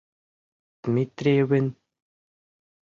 «Дмитриевын.